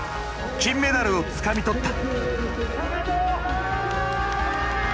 金メダルをつかみ取った。